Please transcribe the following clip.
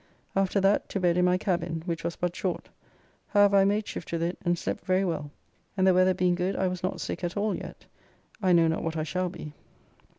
After that to bed in my cabin, which was but short; however I made shift with it and slept very well, and the weather being good I was not sick at all yet, I know not what I shall be.